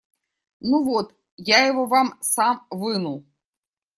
Ну вот, я его вам сам вынул.